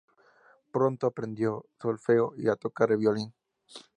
Pronto aprendió solfeo y a tocar el violín.